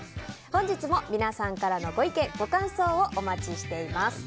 本日も皆さんからのご意見、ご感想をお待ちしています。